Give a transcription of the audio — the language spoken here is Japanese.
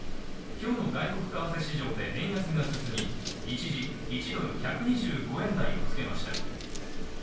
今日の外国為替市場で円安が進み、一時１ドル＝１２５円台をつけました。